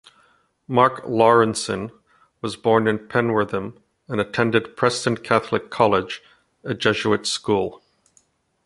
Mark Lawrenson was born in Penwortham and attended Preston Catholic College, a Jesuit school.